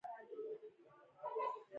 وګورئ، وګورئ، سړک ته یې اشاره وکړه.